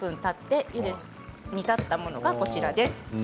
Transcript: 煮立ったものがこちらです。